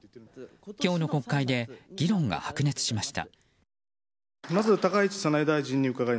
今日の国会で議論が白熱しました。